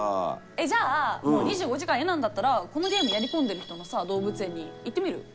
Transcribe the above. じゃあ２５時間嫌なんだったらこのゲームやりこんでる人のさ動物園に行ってみる？